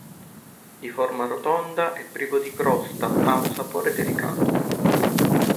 Di forma rotonda e privo di crosta, ha un sapore delicato.